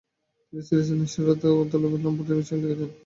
তিনি সিরাজের নিষ্ঠুরতা, অর্থলোভ ও লাম্পট্যের বিষয়ে লিখেছিলেন।